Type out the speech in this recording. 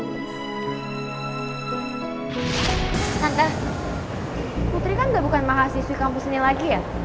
tante putri kan gak bukan mahasiswi kampus ini lagi ya